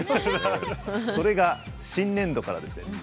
それが新年度からですね。